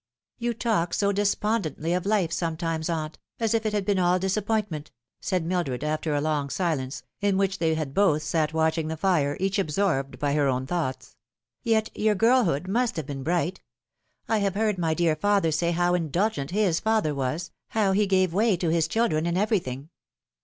" You talk so despondently of life sometimes, aunt, as if it had been all disappointment," said Mildred, after a long silenca, Sow should I Greet Thee t 319 in which they had both sat watching the fire, each absorbed by her own thoughts ;" yet your girlhood must have been bright. I have heard my dear father say how indulgent his father was, how he gave way to his children in everything."